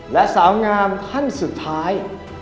และสาวงามท่านสุดท้าย